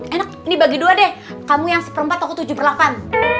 enak ini bagi dua deh kamu yang seperempat aku tujuh per lapan